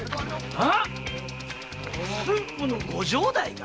駿府のご城代が？